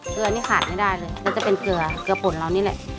เกลืออันนี้ขาดไม่ได้เลยแล้วจะเป็นเกลือเกลือผลเหล่านี้เลย